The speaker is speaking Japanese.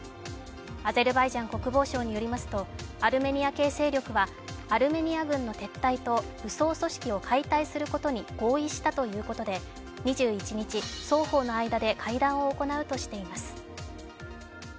アゼルバイジャン国防省によりますとアルメニア系勢力はアルメニア軍の撤退と武装組織を解体することに合意したということで２１日、双方の間で会談を行うとしています。